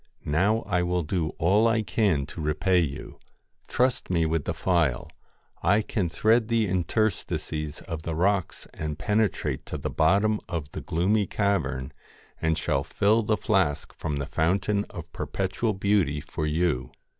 Now I will do all I can to repay you. Trust me with the phial. I can thread the interstices of the rocks and penetrate to the bottom of the gloomy cavern, and shall fill the flask from the fountain of Perpetual Beauty for you.'